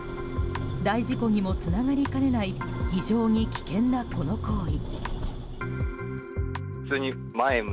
大事故にもつながりかねない非常に危険なこの行為。